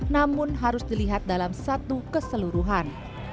namun harus dilihat dalam satu keseluruhan